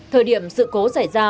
thời điểm sự cố xảy ra